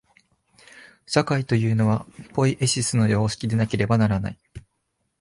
社会というのは、ポイエシスの様式でなければならない。